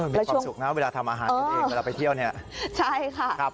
มีความสุขนะเวลาทำอาหารกันเองเวลาไปเที่ยวเนี่ยใช่ค่ะ